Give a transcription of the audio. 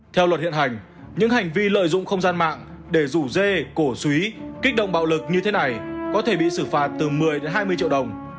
theo luật hiện hành những hành vi lợi dụng không gian mạng để rủ dê cổ suý kích động bạo lực như thế này có thể bị xử phạt từ một mươi hai mươi triệu đồng